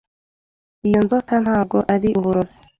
Iyi nzoka ntabwo ari uburozi.